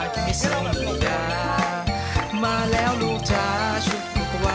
เตรียมตัวครับ